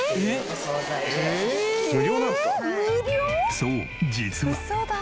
そう実は。